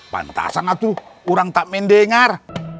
pantasan nggak tuh orang tak mendengar